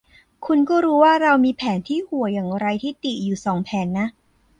คุณก็รู้ว่าเรามีแผนที่ห่วยอย่างไร้ที่ติอยู่สองแผนนะ